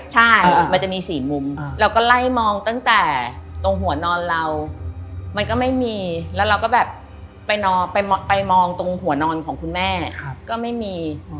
ใช่มันจะมี๔มุมเราก็ไล่มองตั้งแต่ตรงหัวนอนเรามันก็ไม่มีแล้วเราก็แบบไปมองตรงหัวนอนของคุณแม่ก็ไม่มี